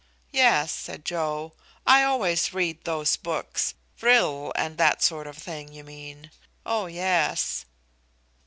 "Yes," said Joe. "I always read those books. Vril, and that sort of thing, you mean? Oh yes."